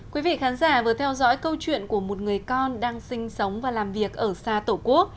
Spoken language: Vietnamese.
quý vị khán giả vừa theo dõi câu chuyện của một người con đang sinh sống và làm việc ở xa tổ quốc